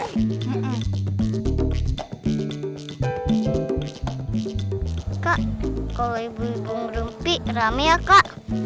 kak kalau ibu ibu belum berhenti rame ya kak